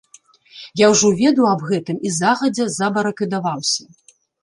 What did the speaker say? Я ўжо ведаў аб гэтым і загадзя забарыкадаваўся.